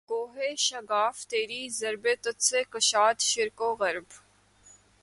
کوہ شگاف تیری ضرب تجھ سے کشاد شرق و غرب